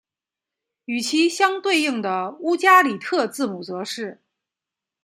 与其相对应的乌加里特字母则是。